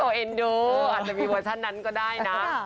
เอ็นดูอาจจะมีเวอร์ชันนั้นก็ได้นะ